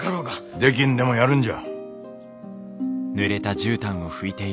できんでもやるんじゃ。